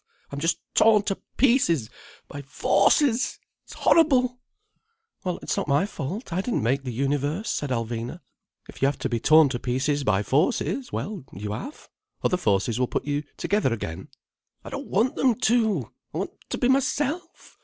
I'm just torn to pieces by Forces. It's horrible—" "Well, it's not my fault. I didn't make the universe," said Alvina. "If you have to be torn to pieces by forces, well, you have. Other forces will put you together again." "I don't want them to. I want to be myself.